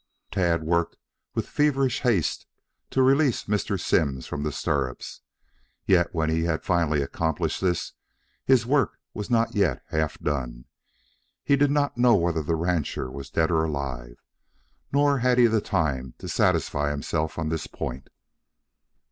Tad worked with feverish haste to release Mr. Simms from the stirrups. Yet when he had finally accomplished this, his work was not yet half done. He did not know whether the rancher was dead or alive, nor had he the time to satisfy himself on this point.